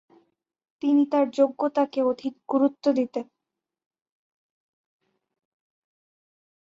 তিনি তার যোগ্যতা কে অধিক গুরুত্ব দিতেন।